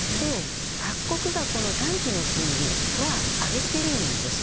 各国が短期の金利は上げてるんですね。